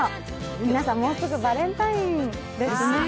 皆さん、もうすぐバレンタインですね。